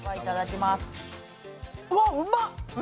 うわっ、うまっ！